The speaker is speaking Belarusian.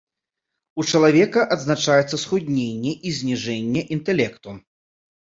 У чалавека адзначаецца схудненне і зніжэнне інтэлекту.